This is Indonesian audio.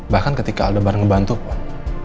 bahkan ketika aldebar ngebantu pun